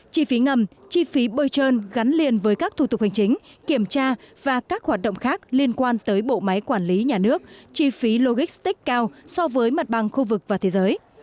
chi phí ngầm chi phí bơi trơn gắn liền với các thủ tục hành chính kiểm tra và các hoạt động khác liên quan tới bộ máy quản lý nhà nước chi phí logistic cao so với mặt bằng khu vực và thế giới